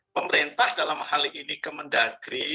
pemerintah dalam hal ini kemendagri